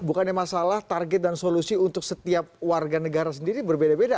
bukannya masalah target dan solusi untuk setiap warga negara sendiri berbeda beda